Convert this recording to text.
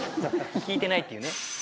聞いてないっていうね。